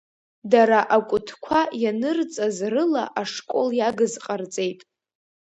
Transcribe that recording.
Дара акәытқәа ианырҵаз рыла ашкол иагыз ҟарҵеит.